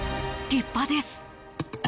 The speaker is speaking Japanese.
立派です。